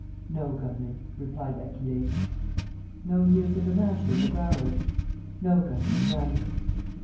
"No, governor," replied Achille. "No news of the Masher and the Growler?" "No, governor, none."